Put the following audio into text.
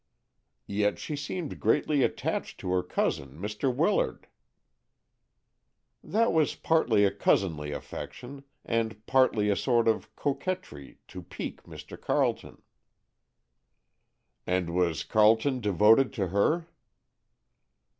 "Yet she seemed greatly attached to her cousin, Mr. Willard." "That was partly a cousinly affection, and partly a sort of coquetry to pique Mr. Carleton." "And was Carleton devoted to her?"